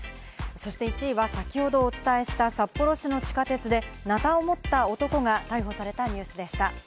そして１位は先ほどお伝えした、札幌市の地下鉄でなたを持った男が逮捕されたニュースでした。